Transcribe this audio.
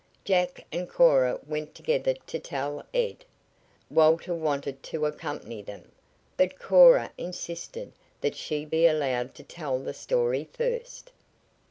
Jack and Cora went together to tell Ed. Walter wanted to accompany them, but Cora insisted that she be allowed to tell the story first.